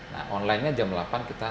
nah online nya jam delapan pagi